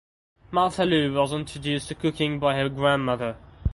Martha Lou was introduced to cooking by her grandmother.